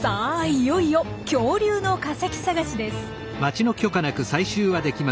いよいよ恐竜の化石探しです。